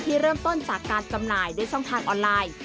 เริ่มต้นจากการจำหน่ายด้วยช่องทางออนไลน์